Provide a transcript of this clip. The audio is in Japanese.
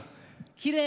きれい！